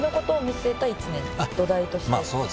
土台として。